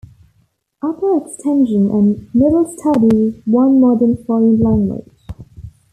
Upper, Extension and middle study one Modern Foreign Language.